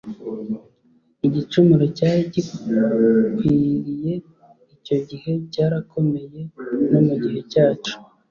Igicumuro cyari kigwiriye icyo gihe cyarakomeye no mu gihe cyacu.